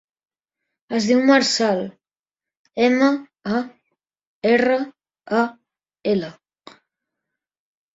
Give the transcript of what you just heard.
Es diu Marçal: ema, a, erra, a, ela.